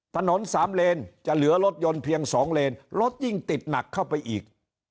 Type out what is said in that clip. ถนนสามเลนจะเหลือรถยนต์เพียง๒เลนรถยิ่งติดหนักเข้าไปอีก